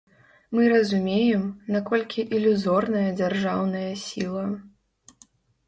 Мы разумеем, наколькі ілюзорная дзяржаўная сіла.